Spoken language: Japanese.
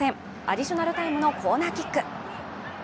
アディショナルタイムのコーナーキック。